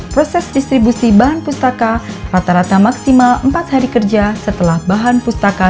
proses distribusi bahan pustaka rata rata maksimal empat hari kerja setelah bahan pustaka